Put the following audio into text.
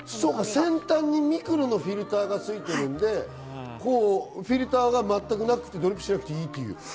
先端にミクロのフィルターがついてるんで、フィルターが全くなくてドリップしなくていい。